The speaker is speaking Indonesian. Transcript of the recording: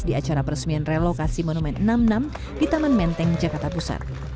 di acara peresmian relokasi monumen enam puluh enam di taman menteng jakarta pusat